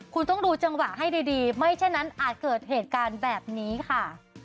คุณต้องดูจังหวะให้ดีไม่เช่นนั้นอาจเกิดเหตุการณ์แบบนี้ค่ะ